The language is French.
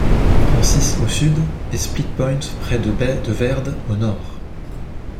Francis au sud, et Split Point près de Bay de Verde au nord.